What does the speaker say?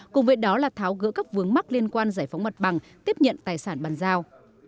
cùng với đó là tháo gỡ các vướng mắc liên quan giải phóng mặt bằng tiếp nhận tài sản bàn giao